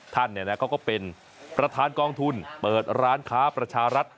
ท่านเขาก็เป็นประธานกองทุนเปิดร้านค้าประชารัฐ